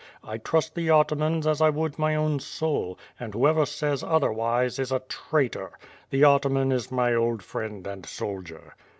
I trust the atamans as I would my own soul, and whoever says otherwise is a traitor. The ataman is my old friend and soldier."